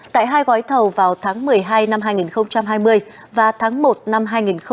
tại hai gói thầu vào tháng một mươi hai năm hai nghìn hai mươi và tháng một năm hai nghìn hai mươi một